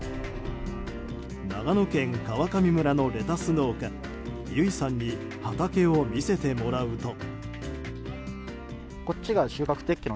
長野県川上村のレタス農家由井さんに畑を見せてもらうと。